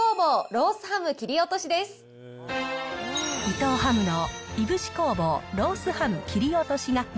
伊藤ハムの燻工房ロースハム切り落としです。